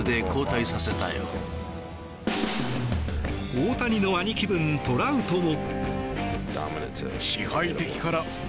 大谷の兄貴分、トラウトも。